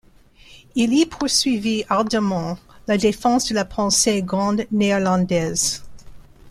Il y poursuivit ardemment la défense de la pensée grande-néerlandaise.